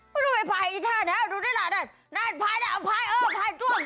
พอดูไปพายอีกท่านดูนี่แหละนั่นนั่นพายน่ะพายเอ้อพายจ้วง